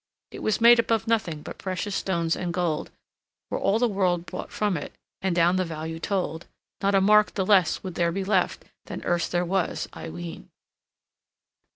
"It was made up of nothing but precious stones and gold; Were all the world bought from it, and down the value told, Not a mark the less would there be left than erst there was, I ween."